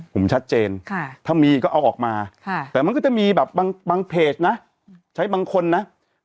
ผมชัดเจนถ้ามีก็เอาออกมาแต่มันก็จะมีแบบบางเพจนะใช้บางคนนะ